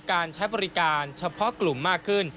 การใช้บริการเฉพาะกลุ่มมากขึ้น